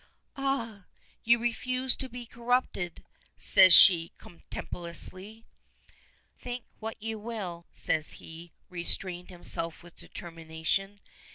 "Ah! you refuse to be corrupted?" says she, contemptuously. "Think what you will," says he, restraining himself with determination.